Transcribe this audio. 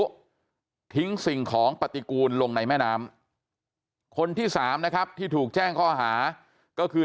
แล้วทิ้งสิ่งของปฏิกูลลงในแม่น้ำคนที่สามนะครับที่ถูกแจ้งข้อหาก็คือ